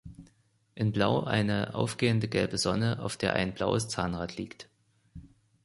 In Blau eine aufgehende gelbe Sonne, auf der ein blaues Zahnrad liegt.